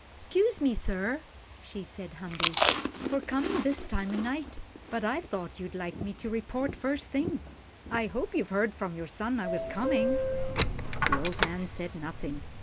"'Scuse me, sir," she said, humbly, "for comin' this time o' night, but I thought you'd like me to report first thing. I hope you've heard from your son I was comin'?" The old man said nothing.